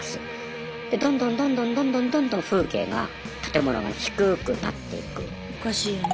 でどんどんどんどんどんどんどんどん風景が建物が低くなっていく。